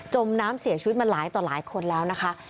มน้ำเสียชีวิตมาหลายต่อหลายคนแล้วนะคะ